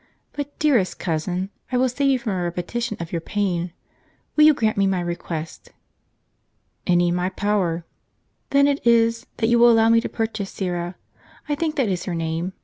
But, dearest cousin, I will save you from a repetition of your pain. Will you grant me my request? " 'Any in my power." " Then it is, that you will allow me to purchase Syra — I think that is her name.